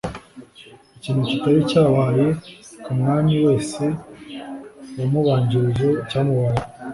ikintu kitari cyabaye ku mwami wese wamubanjirije, cyamubayeho